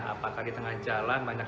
apakah di tengah jalan banyak